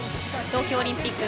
東京オリンピック